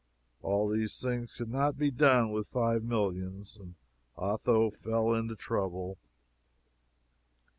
All these things could not be done with five millions, and Otho fell into trouble.